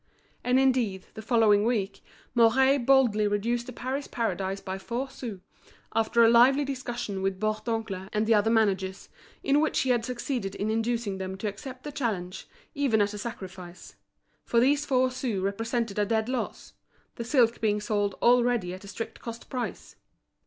And, indeed the following week, Mouret boldly reduced The Paris Paradise by four sous, after a lively discussion with Bourdoncle and the other managers, in which he had succeeded in inducing them to accept the challenge, even at a sacrifice; for these four sous represented a dead loss, the silk being sold already at strict cost price.